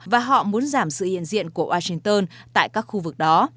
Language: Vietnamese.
và họ muốn giảm sự hiện diện của washington tại các khu vực đó